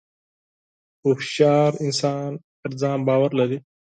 • هوښیار انسان پر ځان باور لري.